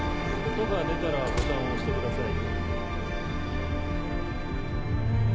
音が出たらボタンを押してください。